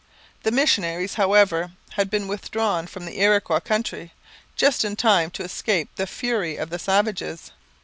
The missionaries, however, had been withdrawn from the Iroquois country, just in time to escape the fury of the savages.